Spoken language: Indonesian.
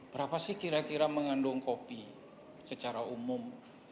berapa sih kira kira mengandung kopi secara umum